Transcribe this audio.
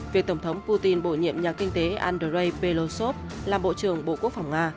việc tổng thống putin bổ nhiệm nhà kinh tế andrei belosov làm bộ trưởng bộ quốc phòng nga